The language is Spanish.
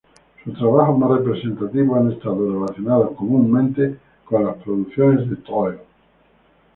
Sus trabajos más representativos han estado relacionados comúnmente con las producciones de Toei.